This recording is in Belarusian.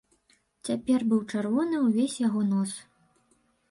Цяпер быў чырвоны ўвесь яго нос.